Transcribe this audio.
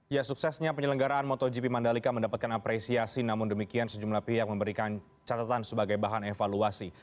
ya suksesnya penyelenggaraan motogp mandalika mendapatkan apresiasi namun demikian sejumlah pihak memberikan catatan sebagai bahan evaluasi